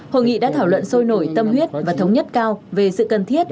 hội nghị đã thảo luận sôi nổi tâm huyết và thống nhất cao về sự cần thiết